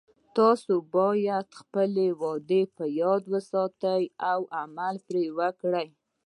تاسې باید خپلې وعدې په یاد وساتئ او عمل پری وکړئ